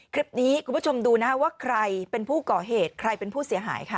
คุณผู้ชมดูนะคะว่าใครเป็นผู้ก่อเหตุใครเป็นผู้เสียหายค่ะ